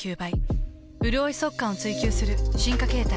うるおい速乾を追求する進化形態。